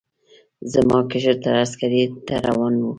زما کشر تره عسکرۍ ته روان و.